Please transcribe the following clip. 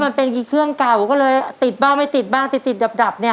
มันเป็นกี่เครื่องเก่าก็เลยติดบ้างไม่ติดบ้างติดติดดับเนี่ย